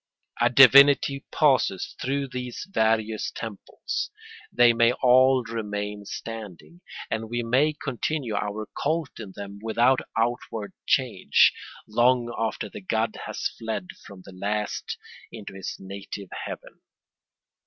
A divinity passes through these various temples; they may all remain standing, and we may continue our cult in them without outward change, long after the god has fled from the last into his native heaven.